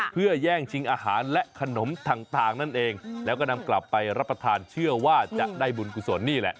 เพื่อแย่งชิงอาหารและขนมต่างนั่นเองแล้วก็นำกลับไปรับประทานเชื่อว่าจะได้บุญกุศลนี่แหละ